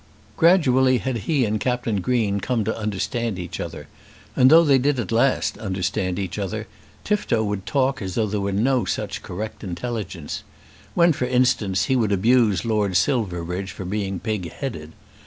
Gradually had he and Captain Green come to understand each other, and though they did at last understand each other, Tifto would talk as though there were no such correct intelligence; when for instance he would abuse Lord Silverbridge for being pig headed.